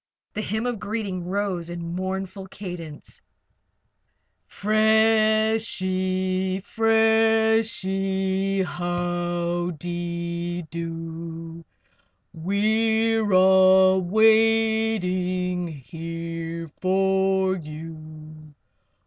The hymn of greeting rose in mournful cadence: "Freshie! Freshie! How de do! We're all waiting here for you.